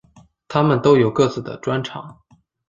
他们都有各自的专长。